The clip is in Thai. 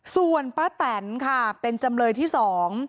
ส่วนป้าแตนค่ะเป็นจำเลยที่สอง